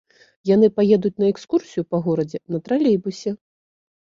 Яны паедуць на экскурсію па горадзе на тралейбусе.